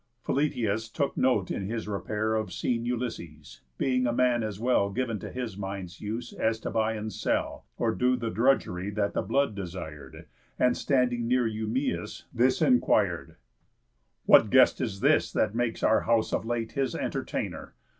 Philœtius took note in his repair Of seen Ulysses, being a man as well Giv'n to his mind's use as to buy and sell, Or do the drudg'ry that the blood desir'd, And, standing near Eumæus, this enquir'd: "What guest is this that makes our house of late His entertainer?